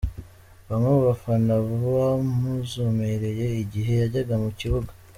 Bamwe mu bafana bamuzomereye igihe yajyaga mu kibuga.